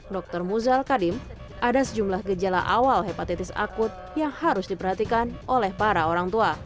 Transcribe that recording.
dr muzal kadim ada sejumlah gejala awal hepatitis akut yang harus diperhatikan oleh para orang tua